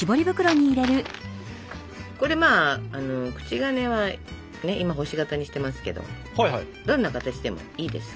これまあ口金は今星形にしてますけどどんな形でもいいです。